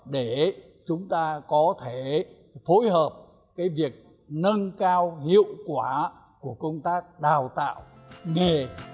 để chúng ta có thể phối hợp cái việc nâng cao hiệu quả của công tác đào tạo nghề